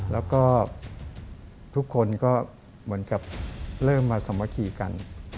แล้วก็ทุกคนก็เหมือนกับเริ่มมาสามัคคีกัน